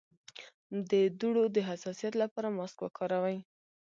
د دوړو د حساسیت لپاره ماسک وکاروئ